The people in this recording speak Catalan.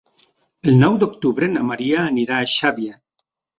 El nou d'octubre na Maria anirà a Xàbia.